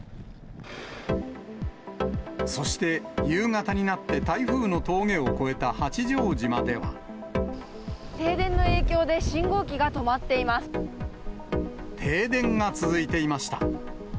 そして夕方になって、停電の影響で信号機が止まっ停電が続いていました。